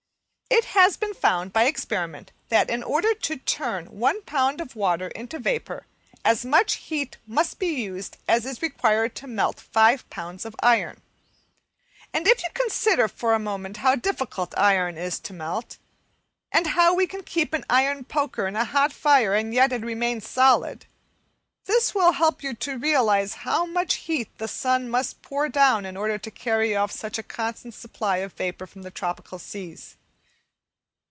It has been found by experiment that, in order to turn 1 lb. of water into vapour, as much heat must be used as is required to melt 5 lbs. of iron; and if you consider for a moment how difficult iron is to melt, and how we can keep an iron poker in a hot fire and yet it remains solid, this will help you to realize how much heat the sun must pour down in order to carry off such a constant supply of vapour from the tropical seas.